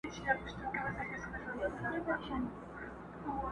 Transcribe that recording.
بې پروا له شنه اسمانه٫